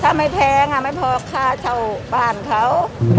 ถ้าไม่แพงไม่พอค่าเช่าบ้านเขา